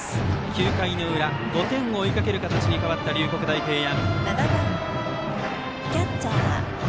９回の裏、５点を追いかける形に変わった龍谷大平安。